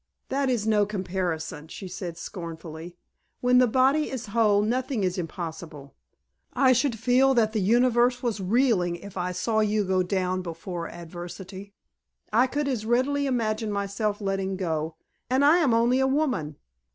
"That is no comparison," she said scornfully. "When the body is whole nothing is impossible. I should feel that the Universe was reeling if I saw you go down before adversity. I could as readily imagine myself letting go, and I am only a woman."